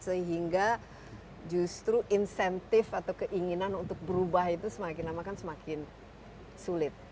sehingga justru insentif atau keinginan untuk berubah itu semakin lama kan semakin sulit